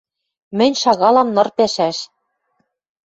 Мӹнь шагалам ныр пӓшӓш.